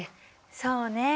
そうね。